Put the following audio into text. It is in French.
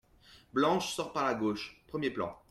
Blanche sort par la gauche, premier plan.